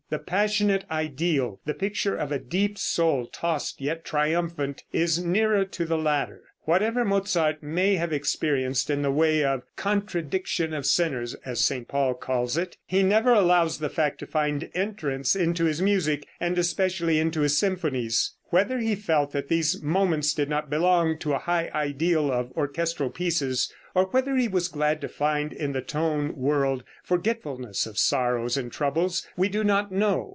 The passionate ideal, the picture of a deep soul, tossed yet triumphant, is nearer to the latter. Whatever Mozart may have experienced in the way of "contradiction of sinners" (as St. Paul calls it), he never allows the fact to find entrance into his music, and especially into his symphonies. Whether he felt that these moments did not belong to a high ideal of orchestral pieces, or whether he was glad to find in the tone world forgetfulness of sorrows and troubles, we do not know.